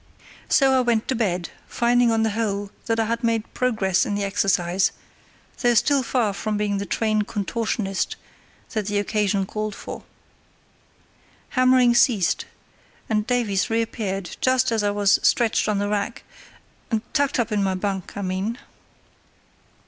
So I went to bed, finding on the whole that I had made progress in the exercise, though still far from being the trained contortionist that the occasion called for. Hammering ceased, and Davies reappeared just as I was stretched on the rack—tucked up in my bunk, I mean.